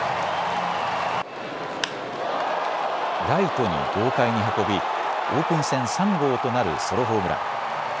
ライトに豪快に運びオープン戦３号となるソロホームラン。